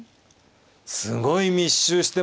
すごい密集してますよ